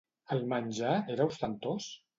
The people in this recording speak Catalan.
El menjar era ostentós?